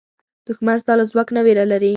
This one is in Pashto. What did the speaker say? دښمن ستا له ځواک نه وېره لري